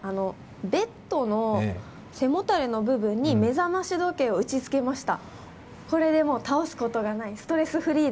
ベッドの背もたれの部分に目覚まし時計を打ち付けました。